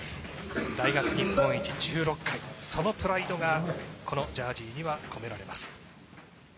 大学日本一１６回、そのプライドがこのジャージにこめられます。